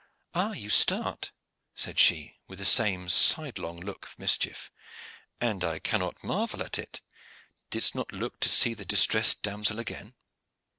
"Ah, you start," said she, with the same sidelong look of mischief, "and I cannot marvel at it. Didst not look to see the distressed damosel again.